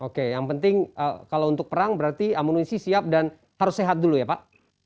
oke yang penting kalau untuk perang berarti amunisi siap dan harus sehat dulu ya pak